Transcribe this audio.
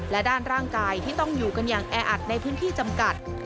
และด้านร่างกายที่ต้องอยู่กันอย่างแออัดในพื้นที่จำกัด